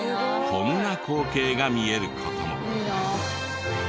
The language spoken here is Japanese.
こんな光景が見える事も。